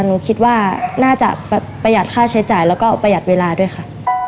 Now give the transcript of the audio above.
หนูคิดว่าน่าจะประหยัดค่าใช้จ่ายแล้วก็ประหยัดเวลาด้วยค่ะ